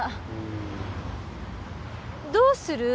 どうする？